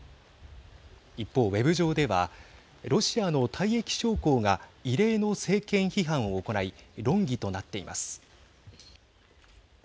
一方、ウェブ上ではロシアの退役将校が異例の政権批判を行い論議となっています。